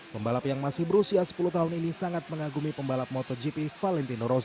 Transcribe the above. pembalap yang masih berusia sepuluh tahun ini sangat mengagumi pembalap motogp valentino rozi